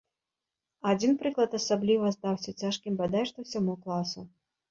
Адзін прыклад асабліва здаўся цяжкім бадай што ўсяму класу.